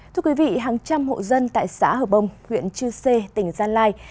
thưa quý vị hàng trăm hộ dân tại xã hờ bông huyện chư sê tỉnh gia lai